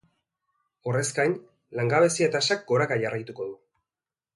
Horrez gain, langabezia-tasak goraka jarraituko du.